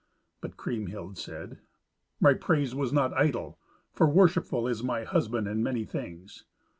But Kriemhild said, "My praise was not idle; for worshipful is my husband in many things.